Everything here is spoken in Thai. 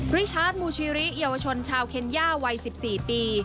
ริชาร์จมูชิริเยาวชนชาวเคนย่าวัย๑๔ปี